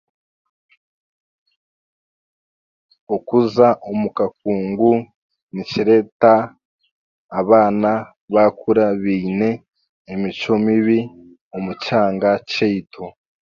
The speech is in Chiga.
Okuza omu kakungu nikireta abaana bakura beine emicwe mibi omu kyanga kyeitu.